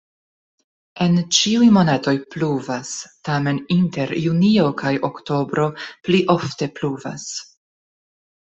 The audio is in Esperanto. En ĉiuj monatoj pluvas, tamen inter junio kaj oktobro pli ofte pluvas.